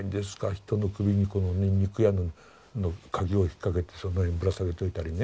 人の首にこのね肉屋のカギを引っ掛けてその辺にぶら下げておいたりね。